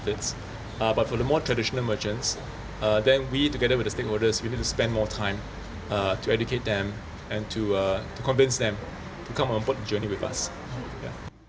kita bersama dengan pemerintah setempat harus menghabiskan lebih banyak waktu untuk mengajar mereka dan mengusahakan mereka untuk berjalan dengan kami